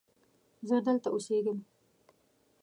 زه دلته اوسیږم